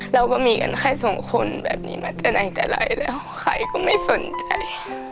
เราก็มีกันแค่สองคนแบบนี้มาแต่ไหนแต่ไรแล้วใครก็ไม่สนใจ